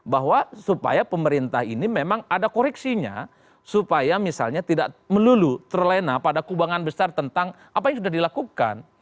bahwa supaya pemerintah ini memang ada koreksinya supaya misalnya tidak melulu terlena pada kubangan besar tentang apa yang sudah dilakukan